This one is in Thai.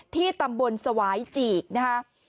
ที่ตำบลสวายจีกนะคะ